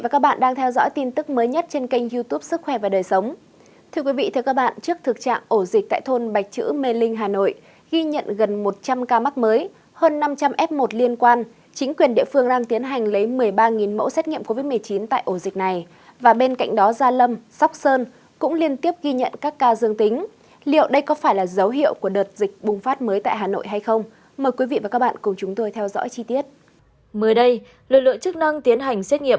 các bạn hãy đăng ký kênh để ủng hộ kênh của chúng mình nhé